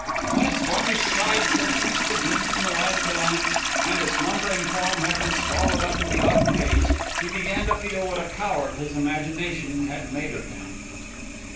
When its varnished sides had ceased to gleam in the light of the lamps, and its lumbering form had been swallowed up in the autumn haze, he began to feel what a coward his imagination had made of him.